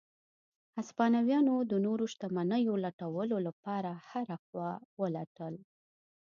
هسپانویانو د نورو شتمنیو لټولو لپاره هره خوا ولټل.